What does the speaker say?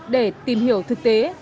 để tìm hiểu thực tế